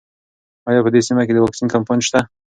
ایا په دې سیمه کې د واکسین کمپاین شته؟